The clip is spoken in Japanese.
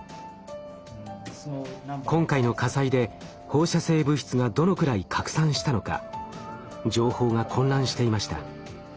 今回の火災で放射性物質がどのくらい拡散したのか情報が混乱していました。